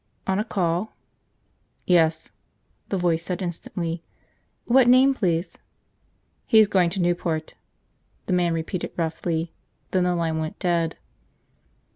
"On a call?" "Yes," the voice said instantly. "What name, please?" "He's going to Newport," the man repeated roughly. Then the line went dead.